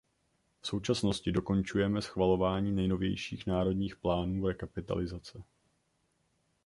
V současnosti dokončujeme schvalování nejnovějších národních plánů rekapitalizace.